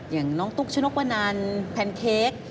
อย่างน้องตุ๊กชนกวนันแพนเค้ก